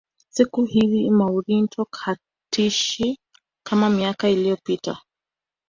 siku hizi mourinho hatishi kama miaka iliyopita